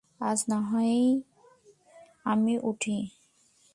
আজ নাহয় আমি উঠি।